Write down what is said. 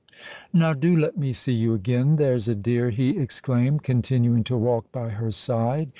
"Now do let me see you again, there's a dear," he exclaimed, continuing to walk by her side.